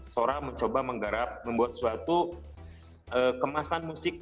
sora mencoba menggarap membuat suatu kemasan musik